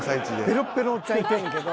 ベロッベロのおっちゃんいてんけど。